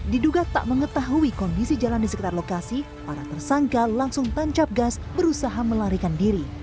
diduga tak mengetahui kondisi jalan di sekitar lokasi para tersangka langsung tancap gas berusaha melarikan diri